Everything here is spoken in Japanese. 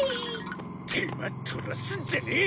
手間取らすんじゃねえ！